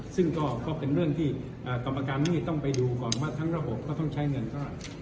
ซึ่งก็เป็นเรื่องที่กรรมการหนี้ต้องไปดูก่อนว่าทั้งระบบก็ต้องใช้เงินเท่าไหร่